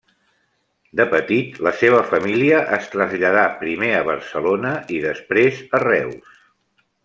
De petit la seva família es traslladà primer a Barcelona i després a Reus.